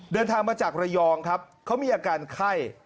เดินทางมาจากระยองครับเขามีอาการไข้